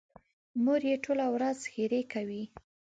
مور یې ټوله ورځ ښېرې کوي.